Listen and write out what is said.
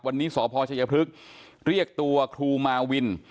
วันนี้สพชัยพฤกษ์เรียกตัวครูมาวิน